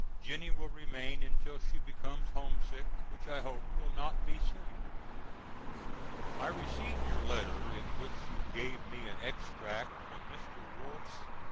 Jennie will remain until she becomes homesick which I hope will not be soon. I received your letter in which you gave me an extract from Mr. Wolff's.